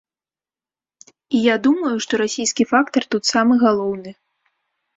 І я думаю, што расійскі фактар тут самы галоўны.